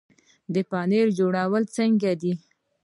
د پنیر جوړول څنګه دي؟